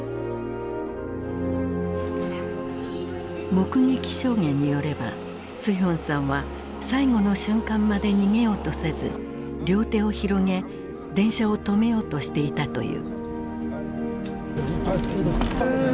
目撃証言によればスヒョンさんは最後の瞬間まで逃げようとせず両手を広げ電車を止めようとしていたという。